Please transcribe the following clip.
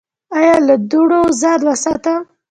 ایا له دوړو ځان وساتم؟